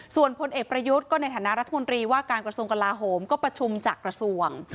ส่วนพลเอกประยุทธ์ก็ในฐานะรัฐมนตรีว่าการกระทรวงกลาโหมก็ประชุมจากกระทรวง